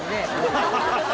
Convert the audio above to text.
ハハハ。